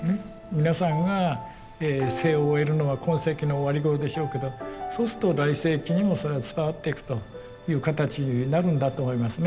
皆さんが生を終えるのは今世紀の終わり頃でしょうけどそうすると来世紀にもそれは伝わっていくという形になるんだと思いますね。